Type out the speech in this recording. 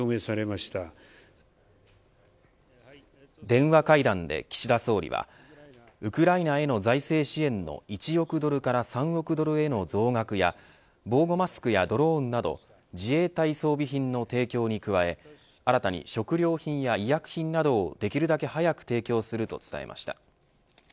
電話会談で岸田総理はウクライナへの財政支援の１億ドルから３億ドルへの増額や防護マスクやドローンなど自衛隊装備品の提供に加え新たに食料品や医薬品などをできるだけ早く提供すると伝えました。